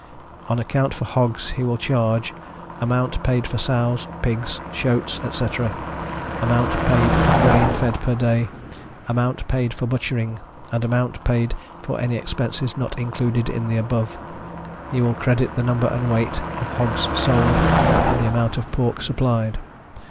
On account for hogs he will chargeâ€"amount paid for sows, pigs, shoats, etc.; amount paid for grain fed per day; amount paid for butchering; and amount paid for any expenses not included in the above. He will credit the number and weight of hogs sold, and the amount of pork supplied.